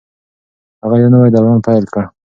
هغه یو نوی دوران پیل کړ.